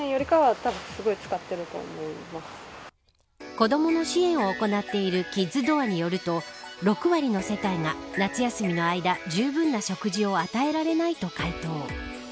子どもの支援を行っているキッズドアによると６割の世帯が夏休みの間、じゅうぶんな食事を与えられないと回答。